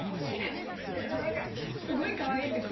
でも何かすごいかわいいです。